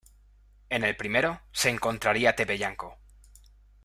En el primero, se encontraría Tepeyanco.